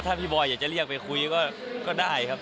ถ้าพี่บอยอยากจะเรียกไปคุยก็ได้ครับ